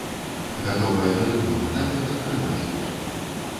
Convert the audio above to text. Гатовыя на любым этапе падтрымаць гурт.